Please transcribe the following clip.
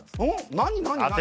何何？